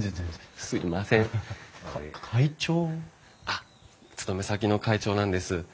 あっ勤め先の会長なんです。